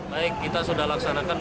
baik kita sudah laksanakan